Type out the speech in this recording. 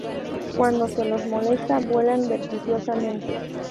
Cuando se los molesta, vuelan vertiginosamente.